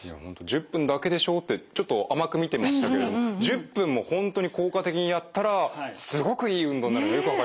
１０分だけでしょってちょっと甘く見てましたけれど１０分も本当に効果的にやったらすごくいい運動になるのよく分かりました！